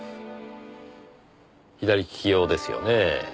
左利き用ですよねぇ。